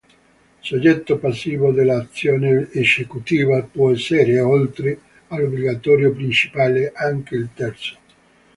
Soggetto passivo dell'azione esecutiva può essere, oltre all'obbligato principale, anche il terzo.